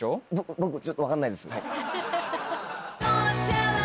僕ちょっと分かんないです。ハハハ。